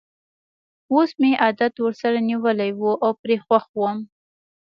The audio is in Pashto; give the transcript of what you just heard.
اوس مې عادت ورسره نیولی وو او پرې خوښ وم.